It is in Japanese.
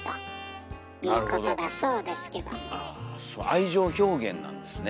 愛情表現なんですね。